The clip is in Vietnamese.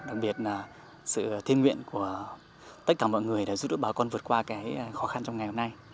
đặc biệt là sự thiên nguyện của tất cả mọi người để giúp đỡ bà con vượt qua cái khó khăn trong ngày hôm nay